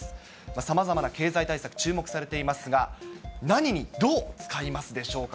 さまざまな経済対策、注目されていますが、何にどう使いますでしょうか。